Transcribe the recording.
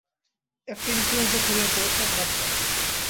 একটা ইনফ্লুয়েঞ্জা ছড়িয়ে পড়েছে, খারাপ টা।